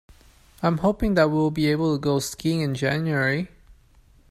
I'm hoping that we'll be able to go skiing in January.